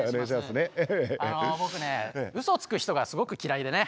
あの僕ねうそをつく人がすごく嫌いでね。